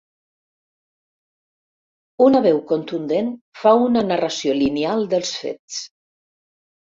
Una veu contundent fa una narració lineal dels fets.